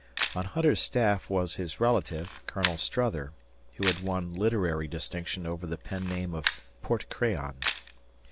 On Hunter's staff was his relative, Colonel Strother, who had won literary distinction over the pen name of "Porte Crayon."